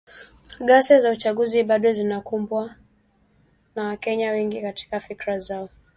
Ghasia za uchaguzi bado zinakumbukwa na Wakenya wengi katika fikra zao.